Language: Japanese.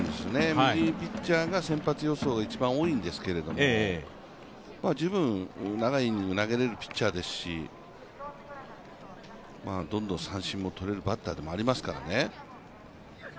右ピッチャーが先発予想一番多いんですけど十分７イニング投げれるピッチャーですし、どんどん三振も取れるバッターでもありますからね。